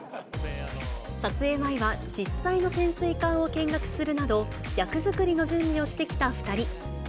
撮影前は実際の潜水艦を見学するなど、役作りの準備をしてきた２人。